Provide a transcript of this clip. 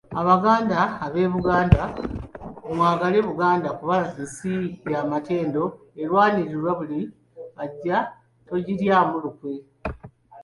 "Abaganda ab’eBuganda, mwagale Buganda kuba nsi ya matendo, erwanirwa buli ajja, togiryamu lukwe."